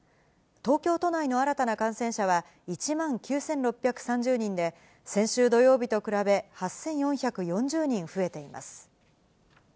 東京都内の新たな感染者は１万９６３０人で、先週土曜日と比べ８４４０人増えています。